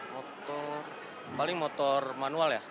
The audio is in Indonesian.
motor paling motor manual ya